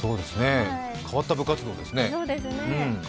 変わった部活動ですね。